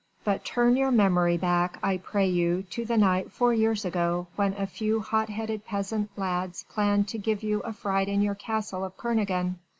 "But turn your memory back, I pray you, to the night four years ago when a few hot headed peasant lads planned to give you a fright in your castle of Kernogan